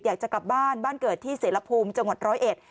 อยากจะกลับบ้านบ้านเกิดที่เสรภูมิจังหวัดร้อยเอ็ด